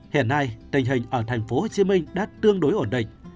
hiện nay tình hình ở tp hcm đã tương đối ổn định